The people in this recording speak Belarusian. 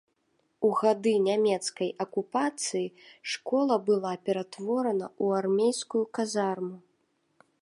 У гады нямецкай акупацыі школа была ператворана ў армейскую казарму.